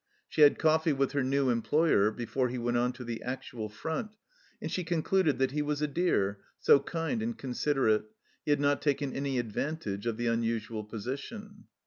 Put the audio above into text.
She had coffee with her new employer before he went on to the actual front, and she concluded that he was "a dear, so kind and considerate;" he had not taken any advantage of the unusual position.